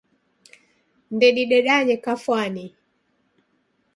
Ndedidedanye kafwani.